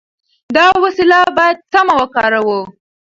دا وسیله باید سمه وکاروو.